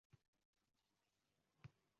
Assalomu alaykum, aziz muhlislar